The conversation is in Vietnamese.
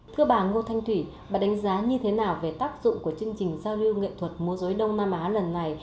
thưa bà ngô thanh thủy bà đánh giá như thế nào về tác dụng của chương trình giao lưu nghệ thuật mô dối đông nam á lần này